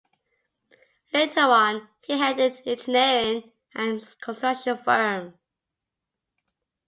Later on, he headed an engineering and construction firm.